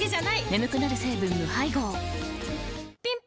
眠くなる成分無配合ぴん